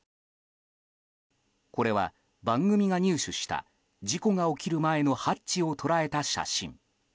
これは番組が入手した事故が起きる前のハッチを捉えた写真。